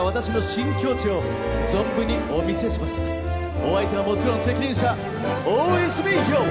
お相手はもちろん責任者・大泉洋！